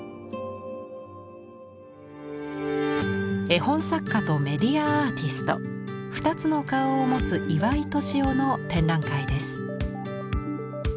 絵本作家とメディアアーティスト２つの顔を持つ岩井俊雄の展覧会です。